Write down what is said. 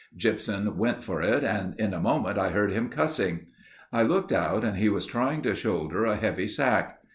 Gypsum went for it and in a moment I heard him cussing. I looked out and he was trying to shoulder a heavy sack.